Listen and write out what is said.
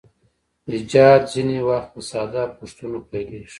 ایجاد ځینې وخت په ساده پوښتنو پیلیږي.